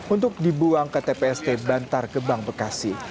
untuk dibuang ke tpst bantar gebang bekasi